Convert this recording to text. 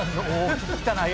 聞きたない。